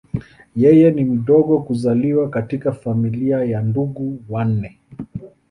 Yeye ni mdogo kuzaliwa katika familia ya ndugu wanne.